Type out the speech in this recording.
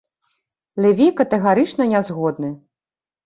Леві катэгарычна не згодны.